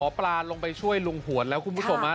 หมอปลาลงไปช่วยลุงหวนแล้วคุณผู้ถ่วงมา